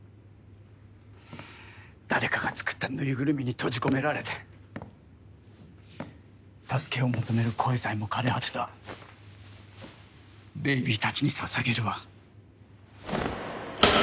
誰かが作った縫いぐるみに閉じ込められて助けを求める声さえも枯れ果てたベイビーたちに捧げるわ。